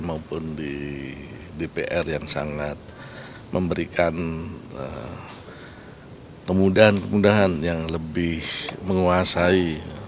maupun di dpr yang sangat memberikan kemudahan kemudahan yang lebih menguasai